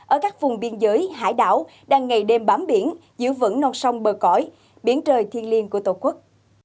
ở các vùng biên giới hải đảo đang ngày đêm bám biển giữ vững non sông bờ cõi biển trời thiên liên của tổ quốc